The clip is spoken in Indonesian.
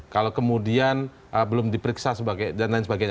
kalau kemudian belum diperiksa dan lain sebagainya